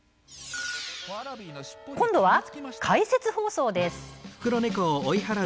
今度は解説放送。